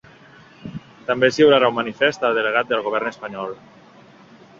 També es lliurarà un manifest al delegat del govern espanyol.